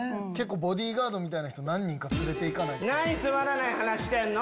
ボディーガードみたいな人何人か連れていかないと。何つまらない話してんの？